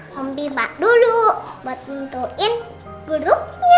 mimpi mbak dulu buat nentuin grupnya